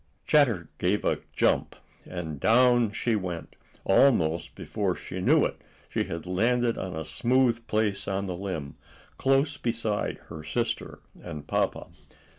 Chatter gave a jump, and down she went. Almost before she knew it, she had landed on a smooth place on the limb, close beside her sister and papa.